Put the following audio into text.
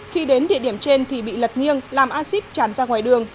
khi đến địa điểm trên thì bị lật nghiêng làm acid tràn ra ngoài đường